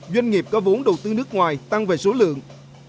doanh nghiệp có vốn đầu tư nước ngoài tăng về số lượng